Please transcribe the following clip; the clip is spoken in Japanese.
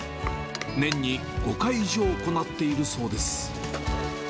年に５回以上行っているそうです。